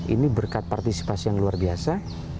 ini berkat partisipasi yang luar biasa